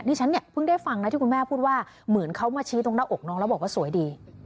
ฉันเนี่ยเพิ่งได้ฟังนะที่คุณแม่พูดว่าเหมือนเขามาชี้ตรงหน้าอกน้องแล้วบอกว่าสวยดี